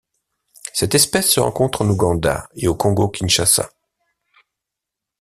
Cette espèce se rencontre en Ouganda et au Congo-Kinshasa.